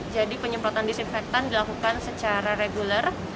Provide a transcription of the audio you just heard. jadi penyemprotan disinfektan dilakukan secara reguler